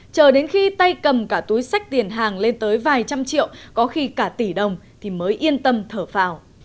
chờ đến khi tay cầm cả túi sách tiền hàng lên tới vài trăm triệu có khi cả tỷ đồng thì mới yên tâm thở phào